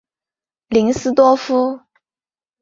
林斯多夫。